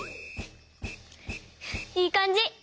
いいかんじ！